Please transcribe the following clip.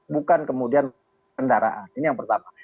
bukan kemudian kendaraan ini yang pertama